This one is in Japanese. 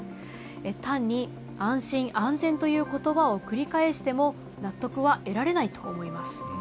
単に安心・安全ということばを繰り返しても納得は得られないと思います。